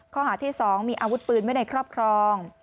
ข้อหาที่๒มีอาวุธปืนไว้ในครอบครอง